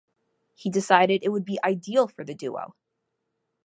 He decided it would be ideal for the duo.